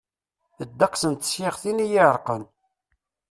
Ddegs n tsiɣtin iy iṛeqqen.